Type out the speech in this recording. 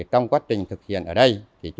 trong quá trình thực hiện ở đây